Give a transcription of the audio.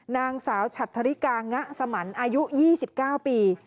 นางสาวฉัดทริกางะสมันอายุ๒๙ปี